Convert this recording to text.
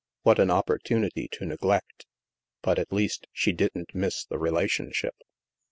" What an opportunity to neglect ! But, at least, she didn't miss the relationship!